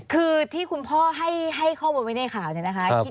คือที่คุณพ่อให้ข้อมูลไว้ในข่าวเนี่ยนะคะ